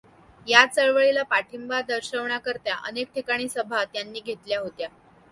या चळ्वळीला पाठिंबा दर्शविण्याकरिता अनेक ठिकाणी सभा त्यांनी घेतल्या होत्या.